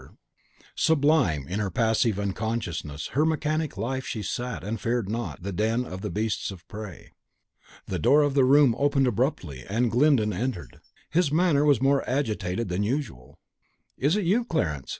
Sublime in her passive unconsciousness, her mechanic life, she sat, and feared not, in the den of the Beasts of Prey. The door of the room opened abruptly, and Glyndon entered. His manner was more agitated than usual. "Is it you, Clarence?"